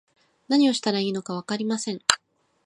何をしたらいいのかわかりません